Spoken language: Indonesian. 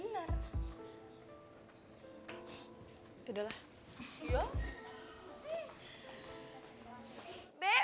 sudah lah ya